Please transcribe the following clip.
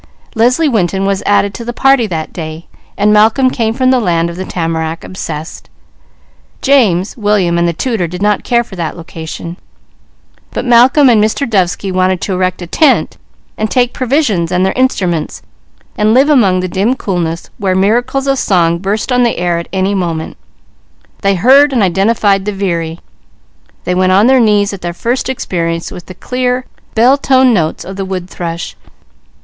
Leslie Winton was added to the party that day. Malcolm came from the land of the tamarack obsessed. James, William, and the tutor did not care for that location, but Malcolm and Mr. Dovesky wanted to erect a tent and take provisions and their instruments and live among the dim coolness, where miracles of song burst on the air at any moment. They heard and identified the veery. They went on their knees at their first experience with the clear, bell toned notes of the wood thrush.